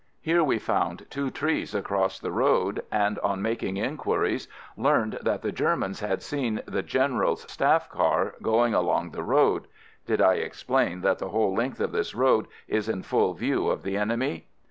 Here we found two trees across the road, and on making inquiries learned that the Germans had seen the General's staff car going along the road (did I explain that the whole length of this road is in full view of the enemy?)